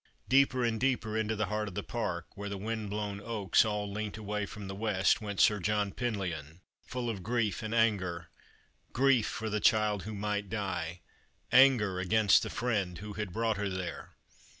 Deep and deeper into the heart of the park, where the wind blown oaks all leant away from the west, went Sir John Peiilyoii, full of grief and anger — grief for the child who might die, anger against the friend who had brought her there.